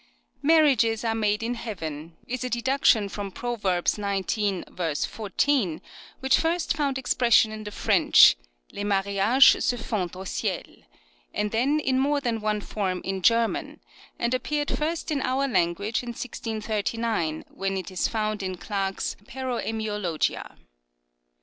" Marriages are made in Heaven " is a deduction from Proverbs xix. 14, which first found expression in the French, " Les mariages se font en ciel," and then in more than one form in German, and appeared first in our language in 1639, when it is found in Clerk's " Paroemiologia."